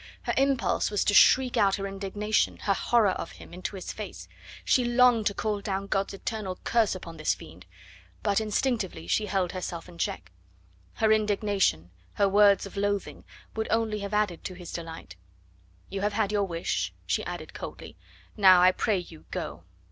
Her impulse was to shriek out her indignation, her horror of him, into his face. She longed to call down God's eternal curse upon this fiend; but instinctively she held herself in check. Her indignation, her words of loathing would only have added to his delight. "You have had your wish," she added coldly; "now, I pray you, go."